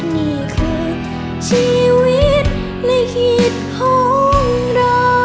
นี่คือชีวิตในคิดของเรา